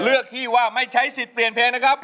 เลือกที่ว่าไม่ใช้สิทธิ์เปลี่ยนเพลงนะครับ